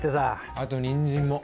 あとニンジンも。